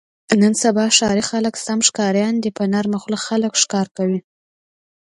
نن سبا ښاري خلک سم ښکاریان دي. په نرمه خوله خلک ښکار کوي.